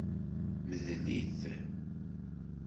Mdel-it.